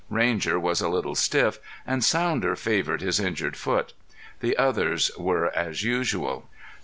Ranger was a little stiff, and Sounder favored his injured foot. The others were as usual.